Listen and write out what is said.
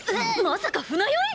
まさか船酔い！？